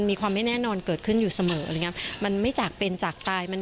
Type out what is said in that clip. มันไม่จากเป็นจากตาย